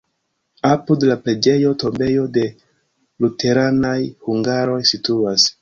Apud la preĝejo tombejo de luteranaj hungaroj situas.